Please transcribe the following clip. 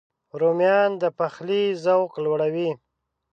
رومیان د پخلي ذوق لوړوي